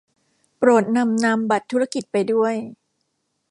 โปรดนำนามบัตรธุรกิจไปด้วย